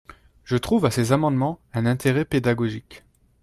Je trouve à ces amendements un intérêt pédagogique.